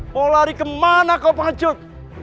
mau lari kemana kau macet